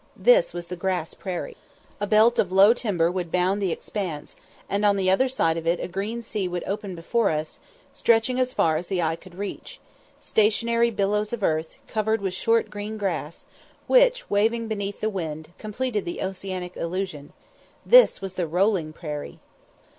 This was the grass prairie. A belt of low timber would bound the expanse, and on the other side of it a green sea would open before us, stretching as far as the eye could reach stationary billows of earth, covered with short green grass, which, waving beneath the wind, completed the oceanic illusion. This was the rolling prairie.